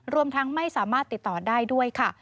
รวมทั้งไม่สามารถติดต่อได้ด้วยค่ะ